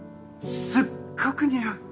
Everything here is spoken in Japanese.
すっごく似合う！